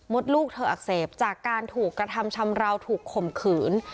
ลูกเธออักเสบจากการถูกกระทำชำราวถูกข่มขืน